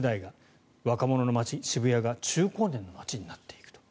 若者の街・渋谷が中高年の街になっていく。